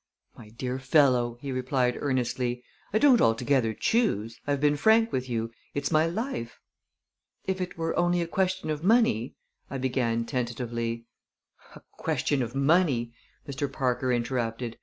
"My dear fellow," he replied earnestly, "I don't altogether choose. I have been frank with you. It's my life." "If it were only a question of money " I began tentatively. "A question of money!" Mr. Parker interrupted.